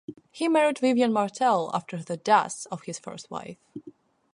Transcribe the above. He married Vivian Martel after the death of his first wife.